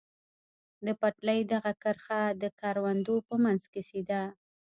د پټلۍ دغه کرښه د کروندو په منځ کې سیده.